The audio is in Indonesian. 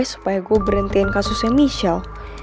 supaya gue berhentiin kasusnya michelle